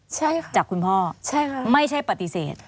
จากคุณพ่อไม่ใช่ปฏิเสธ